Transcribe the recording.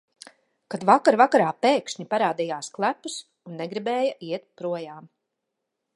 Kad vakar vakarā pēkšņi parādījās klepus un negribēja iet projām.